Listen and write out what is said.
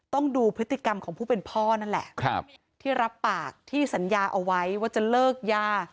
ต้องดูพฤติกรรมของผู้เป็นพ่อนั่นแหละที่รับปากที่สัญญาเอาไว้ว่าจะเลิกยา